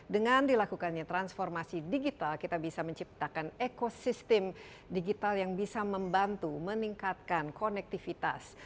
dengan dilakukannya transformasi digital kita bisa menciptakan ekosistem digital yang bisa membantu meningkatkan konektivitas